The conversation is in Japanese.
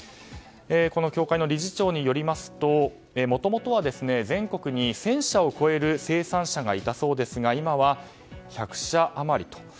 この協会の理事長によりますともともとは全国に１０００社を超える生産者がいたそうですが今は１００社余りと。